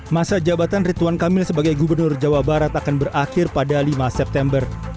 masa jabatan rituan kamil sebagai gubernur jawa barat akan berakhir pada lima september